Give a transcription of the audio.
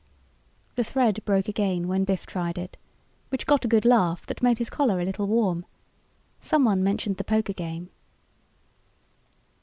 The thread broke again when Biff tried it, which got a good laugh that made his collar a little warm. Someone mentioned the poker game.